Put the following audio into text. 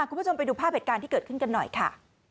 คุณผู้ชมไปดูภาพเหตุการณ์ที่เกิดขึ้นกันหน่อยค่ะ